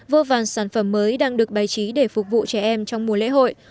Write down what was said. vô vàn sản phẩm mới đang được bày trí để phục vụ trẻ em trong mùa lễ hội